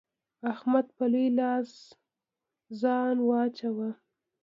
احمد په لوی لاس ځان واچاوو.